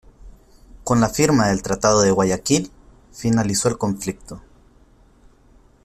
Con la firma del tratado de Guayaquil, finalizó el conflicto.